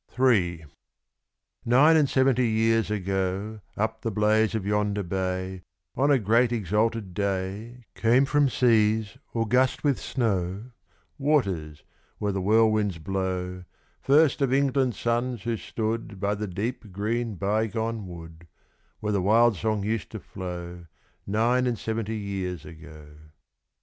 III Nine and seventy years ago, Up the blaze of yonder bay, On a great exalted day, Came from seas august with snow Waters where the whirlwinds blow First of England's sons who stood By the deep green, bygone wood Where the wild song used to flow Nine and seventy years ago.